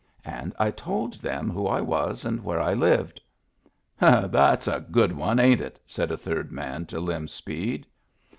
And I told them who I was and where I lived. "That's a good one, ain't it?" said a third man to Lem Speed.